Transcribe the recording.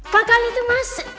kakal itu mas